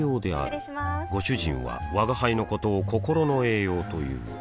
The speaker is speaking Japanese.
失礼しまーすご主人は吾輩のことを心の栄養という